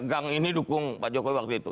gang ini dukung pak jokowi waktu itu